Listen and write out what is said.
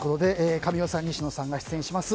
神尾さん、西野さんが出演します